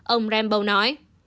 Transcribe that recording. ông rambo nói